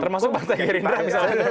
termasuk pak tegir indra misalnya